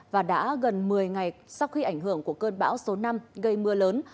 và đã gần một mươi ngày sau khi ảnh hưởng của cơn bão số năm gây mưa lớn